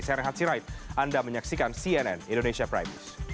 saya rehat sirait anda menyaksikan cnn indonesia prime news